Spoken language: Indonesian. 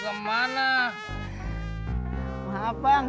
kemana maaf angg